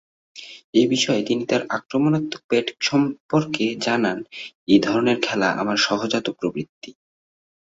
এ বিষয়ে তিনি তার আক্রমণাত্মক ব্যাটিং প্রসঙ্গে জানান, ‘এ ধরণের খেলা আমার সহজাত প্রবৃত্তি।